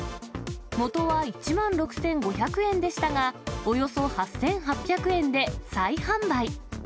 もとは１万６５００円でしたが、およそ８８００円で再販売。